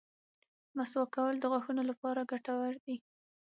مسواک کول د غاښونو لپاره ګټور دي.